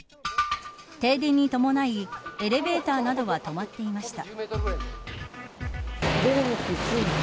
停電に伴いエレベーターなどは止まっていました。